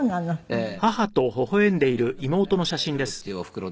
ええ。